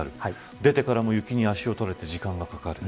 出てからも雪に足を取られて時間がかかる。